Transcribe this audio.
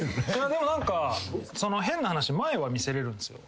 でも何か変な話前は見せれるんですよ。